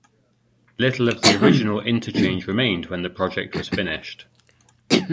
Little of the original interchange remained when the project was finished.